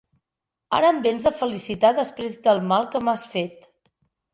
Ara em vens a felicitar després del mal que m'has fet.